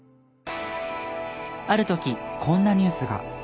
ある時こんなニュースが。